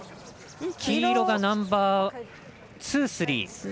黄色がナンバーツー、スリー。